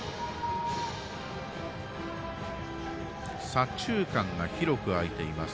左中間が広く開いています。